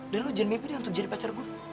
dan lu jen mimpi dia untuk jadi pacar gue